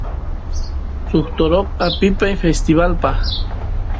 toroy atipay suk torota festivalpi